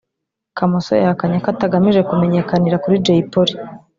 Kamoso yahakanye ko atagamije kumenyekanira kuri Jay Polly